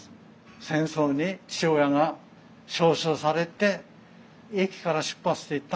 戦争に父親が召集されて駅から出発していったんですね。